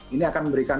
ini akan memberikan